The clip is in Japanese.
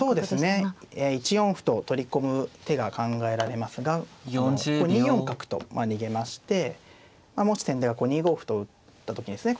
そうですね１四歩と取り込む手が考えられますが２四角と逃げましてもし先手が２五歩と打った時にですね